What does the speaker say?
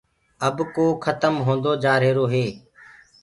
اب ڪو کتم هوندو جآرهيرو هي۔